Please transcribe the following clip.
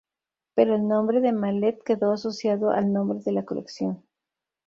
Pero el nombre de Malet quedó asociado al nombre de la colección.